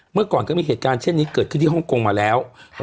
เมื่อก่อนก็มีเหตุการณ์เช่นนี้เกิดขึ้นที่ฮ่องกงมาแล้ว